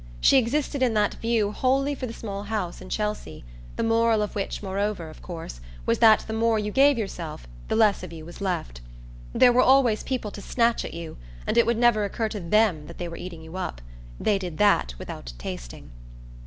She existed in that view wholly for the small house in Chelsea; the moral of which moreover, of course, was that the more you gave yourself the less of you was left. There were always people to snatch at you, and it would never occur to THEM that they were eating you up. They did that without tasting.